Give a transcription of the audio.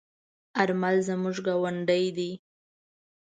آرمل زموږ گاوندی دی.